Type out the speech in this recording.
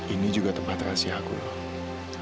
ini juga tempat rahasia aku pak